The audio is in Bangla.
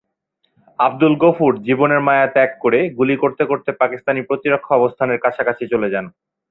আবদুল গফুর জীবনের মায়া ত্যাগ করে গুলি করতে করতে পাকিস্তানি প্রতিরক্ষা অবস্থানের কাছাকাছি চলে যান।